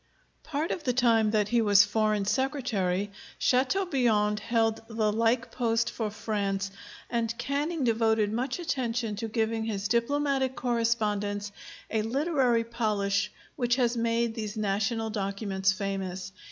Part of the time that he was Foreign Secretary, Châteaubriand held the like post for France, and Canning devoted much attention to giving his diplomatic correspondence a literary polish which has made these national documents famous.